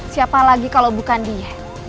siapa lagi kalau bukan dia